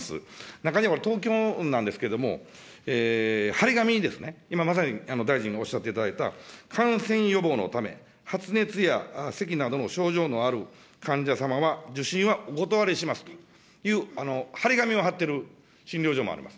中には、東京なんですけれども、貼り紙に、今まさに大臣がおっしゃっていただいた感染予防のため発熱やせきなどの症状のある患者様は受診はお断りしますという貼り紙を貼っている診療所もあります。